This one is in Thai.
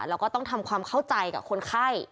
แล้วก็ต้องทำความเข้าใจกับคนไข้